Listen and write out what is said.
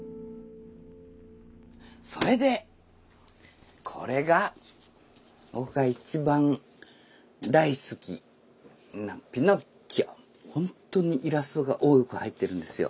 それでこれがほんとにイラストが多く入ってるんですよ。